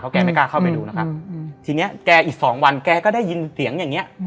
แกไม่กล้าเข้าไปดูนะครับทีนี้แกอีกสองวันแกก็ได้ยินเสียงอย่างเงี้